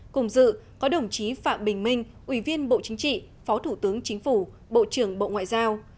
cùng dự có đồng chí phạm bình minh ủy viên bộ chính trị phó thủ tướng chính phủ bộ trưởng bộ ngoại giao